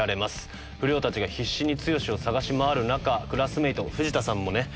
不良たちが必死に剛を捜し回る中クラスメート藤田さんもね